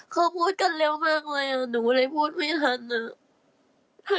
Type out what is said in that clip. เขาพูดกันเร็วมากเลยหนูเลยพูดไม่ทันอะ